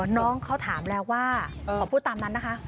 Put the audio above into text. น้องเขาถามแล้วว่าขอพูดตามนั้นนะคะ